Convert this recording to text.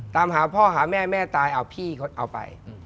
ตามหาพ่อหาแม่แม่ตายเอาพี่เขาเอาไป